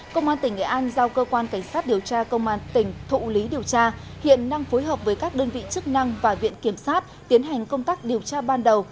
cục cảnh sát giao thông phối hợp với các đơn vị chức năng và viện kiểm soát tiến hành công tác điều tra ban đầu